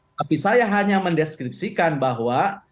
tapi saya hanya mendeskripsikan bahwa